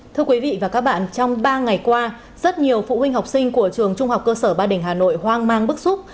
thưa quý vị và các bạn trong ba ngày qua rất nhiều phụ huynh học sinh của trường trung học cơ sở ba đình hà nội hoang mang bức xúc